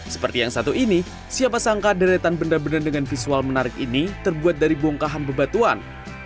seperti yang satu ini siapa sangka deretan benda benda dengan visual menarik ini terbuat dari bongkahan bebatuan